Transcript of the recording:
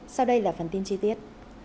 sau đây là phần tin chi tiết